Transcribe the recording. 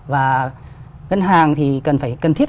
và ngân hàng thì cần thiết